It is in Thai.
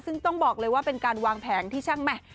ซึ่งต้องบอกเลยว่าเป็นการวางแผนที่ช่างแห่